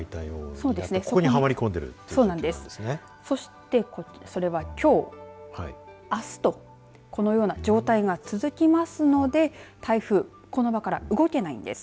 そしてそれはきょう、あすとこのような状態が続きますので台風この場から動けないんです。